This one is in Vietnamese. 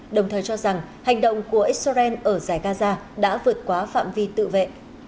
đồng thời cho rằng hành động của israel ở giải gaza đã vượt quá phạm vi tự vệ